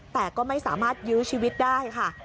แต่ก็ไม่สามารถยื้อชีวิตได้ค่ะ